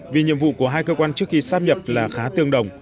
vì nhiệm vụ của hai cơ quan trước khi sắp nhập là khá tương đồng